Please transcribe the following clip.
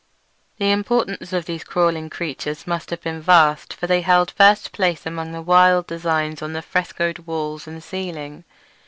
The importance of these crawling creatures must have been vast, for they held first place among the wild designs on the frescoed walls and ceiling.